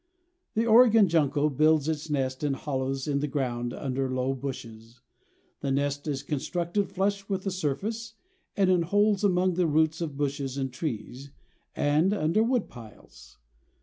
The Oregon Junco builds its nest in hollows in the ground under low bushes. The nest is constructed flush with the surface and in holes among the roots of bushes and trees, and under woodpiles.